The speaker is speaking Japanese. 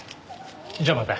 じゃあまた。